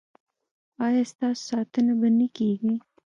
ایا ستاسو ساتنه به نه کیږي؟